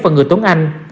vào người tốn anh